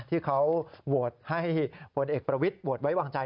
ที่เขาโหวตให้พลเอกประวิทย์โหวตไว้วางใจ